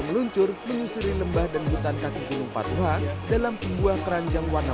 meluncur menyusuri lembah dan hutan kaki gunung patuha dalam sebuah keranjang warna